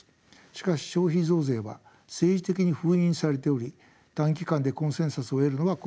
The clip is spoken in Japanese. しかし消費増税は政治的に封印されており短期間でコンセンサスを得るのは困難でしょう。